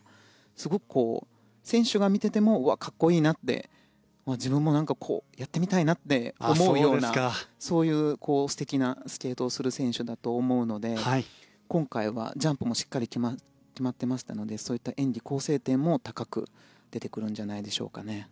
すごく選手から見ていても格好いいなって自分も何かやってみたいなって思うようなそういう素敵なスケートをする選手だと思うので今回はジャンプもしっかり決まっていましたので演技構成点も高く出てくるんじゃないでしょうか。